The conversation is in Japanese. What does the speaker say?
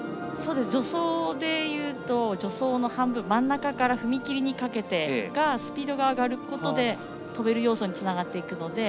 助走でいうと助走の半分真ん中から踏み切りにかけてがスピードが上がることで跳べる要素につながっていくので。